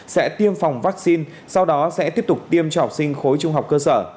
sẽ tiêm phòng vaccine sau đó sẽ tiếp tục tiêm cho học sinh khối trung học cơ sở